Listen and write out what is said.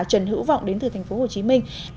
trần hữu vọng đến từ tp hcm